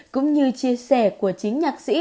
cũng như chia sẻ của chính nhạc sĩ